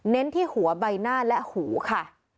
ที่หัวใบหน้าและหูค่ะ